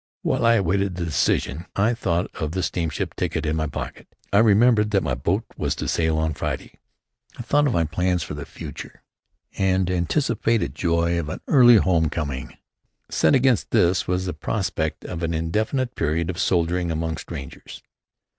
While I awaited the decision I thought of the steamship ticket in my pocket. I remembered that my boat was to sail on Friday. I thought of my plans for the future and anticipated the joy of an early home coming. Set against this was the prospect of an indefinite period of soldiering among strangers.